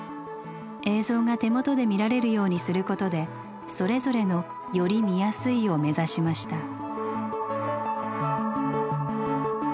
映像が手元で見られるようにすることでそれぞれの「より見やすい」を目指しました。